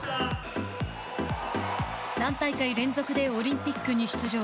３大会連続でオリンピックに出場。